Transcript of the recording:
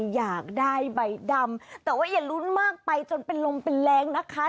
อยากได้ใบดำแต่ว่าอย่าลุ้นมากไปจนเป็นลมเป็นแรงนะคะ